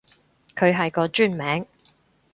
佢係個專名